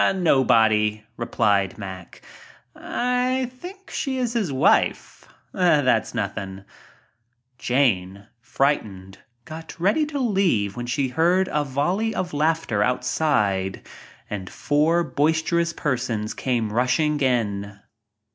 "Nobody,", replied Mack. "I think she is his wife. That's nothing." .. Jane, frightened, got ready to leave when she heard a volley of laughter outside and four boister ous persons came rushing in.